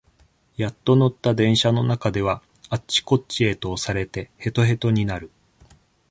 やっと乗った電車の中では、あっちこっちへと押されて、へとへとになる。